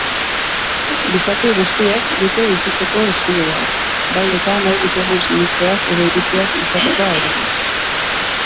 Gizaki guztiek dute bizitzeko eskubidea, bai eta nahi ditugun sinesteak edo iritziak izatekoa ere.